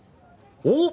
おっ！